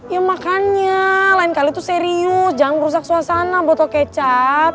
ya makanya lain kali tuh serius jangan berusak suasana botol kecap